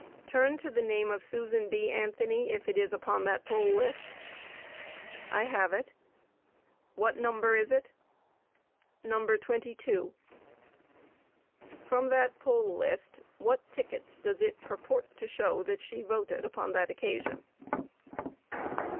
Q. Turn to the name of Susan B. Anthony, if it is upon that poll list? A. I have it. Q. What number is it? A. Number 22. Q. From that poll list what tickets does it purport to show that she voted upon that occasion?